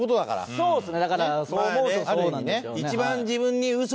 そうですね。